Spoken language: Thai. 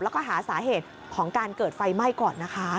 แล้วก็หาสาเหตุของการเกิดไฟไหม้ก่อนนะคะ